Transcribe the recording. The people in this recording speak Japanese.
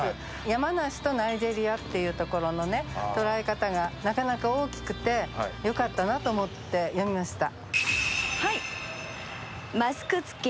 山梨とナイジェリアっていうところの捉え方がなかなか大きくてよかったなと思って読みました。